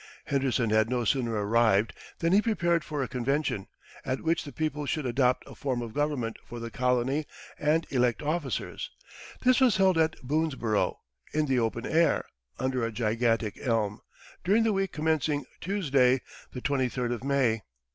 Henderson had no sooner arrived than he prepared for a convention, at which the people should adopt a form of government for the colony and elect officers. This was held at Boonesborough, in the open air, under a gigantic elm, during the week commencing Tuesday, the twenty third of May.